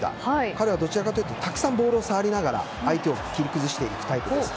彼はどちらかというとたくさんボールを触りながら相手を切り崩していくタイプです。